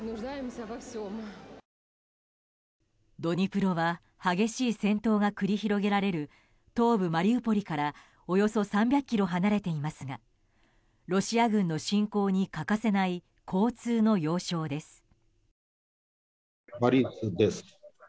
ドニプロは激しい戦闘が繰り広げられる東部マリウポリからおよそ３００ｋｍ離れていますがロシア軍の侵攻に欠かせない交通の要衝です。